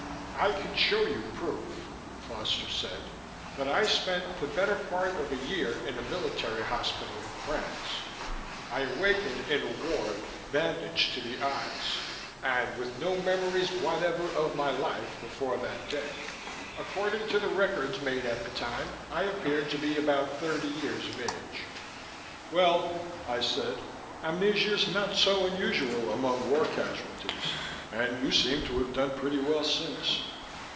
"I can show you proof," Foster said, "that I spent the better part of a year in a military hospital in France. I awakened in a ward, bandaged to the eyes, and with no memories whatever of my life before that day. According to the records made at the time, I appeared to be about thirty years of age." "Well," I said, "amnesia's not so unusual among war casualties, and you seem to have done pretty well since."